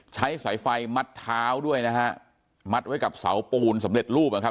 ใช้สายไฟมัดเท้าด้วยนะฮะมัดไว้กับเสาปูนสำเร็จรูปนะครับ